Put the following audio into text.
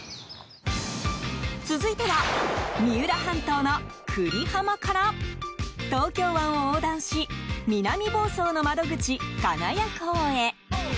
続いては、三浦半島の久里浜から東京湾を横断し南房総の窓口、金谷港へ。